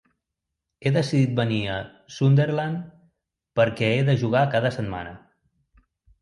He decidit venir a Sunderland perquè he de jugar cada setmana.